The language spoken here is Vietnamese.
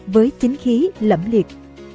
với chính khí lẫm liệt